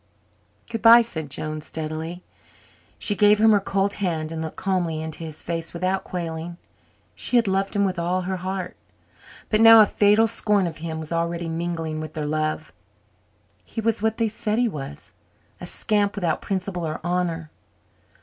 "Good bye," said Joan steadily. She gave him her cold hand and looked calmly into his face without quailing. She had loved him with all her heart, but now a fatal scorn of him was already mingling with her love. He was what they said he was, a scamp without principle or honour.